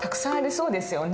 そうですね。